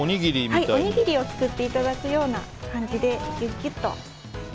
おにぎりを作っていただくような感じで。